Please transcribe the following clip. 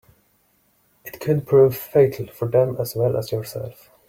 It could prove fatal for them as well as yourself.